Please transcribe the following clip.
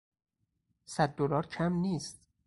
صد دلار کم نیست.